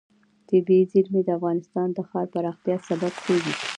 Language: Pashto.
طبیعي زیرمې د افغانستان د ښاري پراختیا سبب کېږي.